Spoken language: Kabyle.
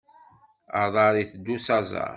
Aḍar iteddu s aẓar.